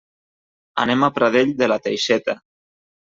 Anem a Pradell de la Teixeta.